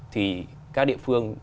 thì các địa phương